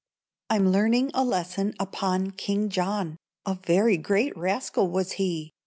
I'M learning a lesson upon King John: A very great rascal was he.